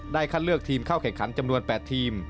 คัดเลือกทีมเข้าแข่งขันจำนวน๘ทีม